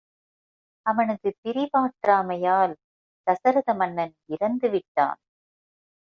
அவனது பிரிவாற்றாமையால் தசரத மன்னன் இறந்து விட்டான்.